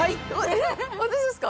えっ私ですか？